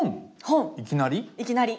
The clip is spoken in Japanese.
いきなり？